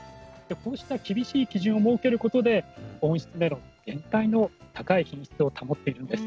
こうした厳しい基準を設けることで温室メロン全体の高い品質を保っているんです。